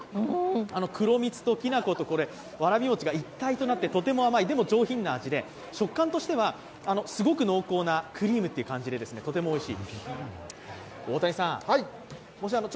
黒蜜と、きなこと、わらび餅が一体となってとても甘い、でも上品な味で食感としてはすごく濃厚なクリームといった感じで、とてもおいしい。